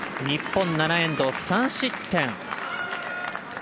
日本、７エンド３失点。